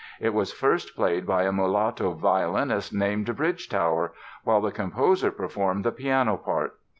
It was first played by a mulatto violinist named Bridgetower, while the composer performed the piano part.